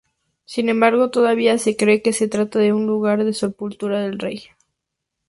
Sin embargo, todavía se cree que se trata del lugar de sepultura del rey.